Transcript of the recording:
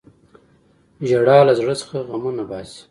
• ژړا له زړه څخه غمونه باسي.